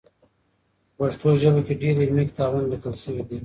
په پښتو ژبه کې ډېر علمي کتابونه لیکل سوي دي.